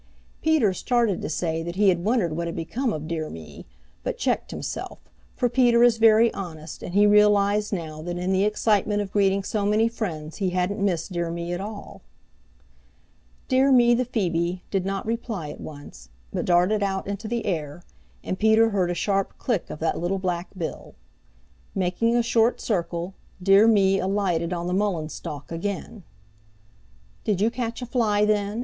Peter started to say that he had wondered what had become of Dear Me, but checked himself, for Peter is very honest and he realized now that in the excitement of greeting so many friends he hadn't missed Dear Me at all. Dear Me the Phoebe did not reply at once, but darted out into the air, and Peter heard a sharp click of that little black bill. Making a short circle, Dear Me alighted on the mullein stalk again. "Did you catch a fly then?"